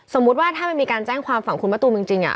สมมุติว่าถ้ามันมีการแจ้งความฝั่งคุณมะตูมจริง